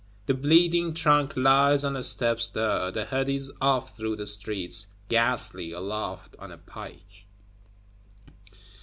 The bleeding trunk lies on the steps there; the head is off through the streets, ghastly, aloft on a pike.